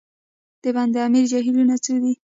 د بند امیر جهیلونه څو دي؟